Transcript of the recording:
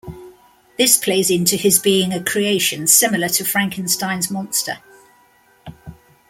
This plays into his being a creation similar to Frankenstein's monster.